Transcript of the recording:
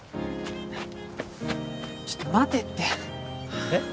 ちょっと待てってえっ？